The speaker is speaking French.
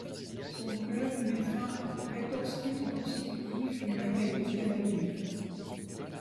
Son club met fin aux quatorze titres consécutifs du Maccabi Tel-Aviv.